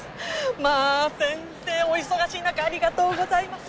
まあ先生お忙しい中ありがとうございます。